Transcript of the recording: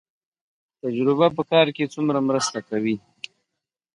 تجربه په کار کې څومره مرسته کوي؟